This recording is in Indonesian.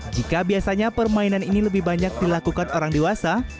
jika biasanya permainan ini lebih banyak dilakukan orang dewasa